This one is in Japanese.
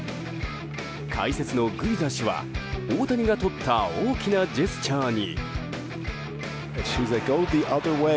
解説のグビザ氏は、大谷のとった大きなジェスチャーに。